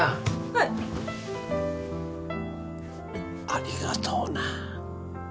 ありがとうな。